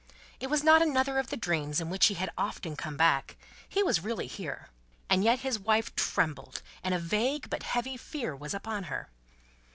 It was not another of the dreams in which he had often come back; he was really here. And yet his wife trembled, and a vague but heavy fear was upon her.